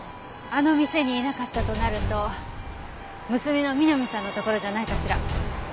あの店にいなかったとなると娘の美波さんのところじゃないかしら？